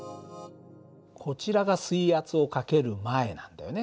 こちらが水圧をかける前なんだよね。